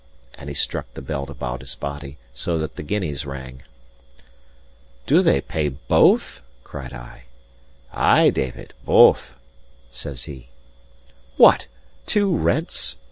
And he struck the belt about his body, so that the guineas rang. "Do they pay both?" cried I. "Ay, David, both," says he. "What! two rents?"